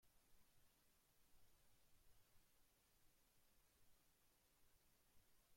Ese discurso es considerado por muchos como su testamento político.